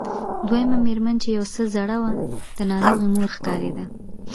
دويمه مېرمنه چې يو څه زړه وه د ناروغې مور ښکارېده.